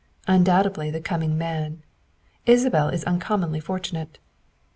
Undoubtedly the coming man. Isabel is uncommonly fortunate.